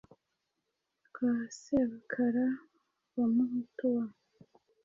rwa Sebakara wa Muhutu wa